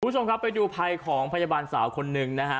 คุณผู้ชมครับไปดูภัยของพยาบาลสาวคนหนึ่งนะฮะ